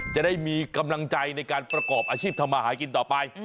จะได้มีกำลังใจในการประกอบอาชีพทำมาหากินต่อไป